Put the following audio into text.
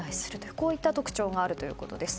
こういった特徴があるということです。